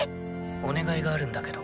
お願いがあるんだけど。